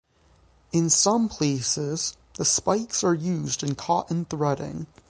In some places, the spikes are used in cotton threading.